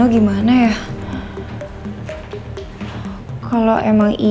hoje akan jadi seperti ini